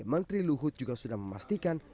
menteri luhut juga sudah memastikan